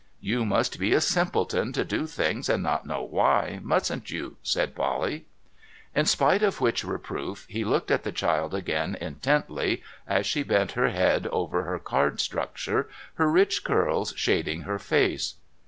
' You must be a simpleton to do things and not know why, mustn't you ?' said Polly. In spite of which reproof, he looked at the child again intently, as she bent her head over her card structure, her rich curls shading her face.